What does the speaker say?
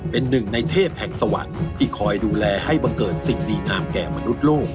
เป็นหนึ่งในเทพแห่งสวรรค์ที่คอยดูแลให้บังเกิดสิ่งดีงามแก่มนุษย์โลก